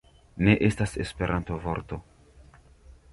Ne estas Esperanto-vorto